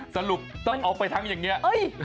สรุปต้องเอาไปทั้งอย่างนี้